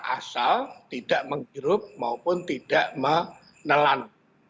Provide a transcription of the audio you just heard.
asal tidak menghirup maupun tidak menelan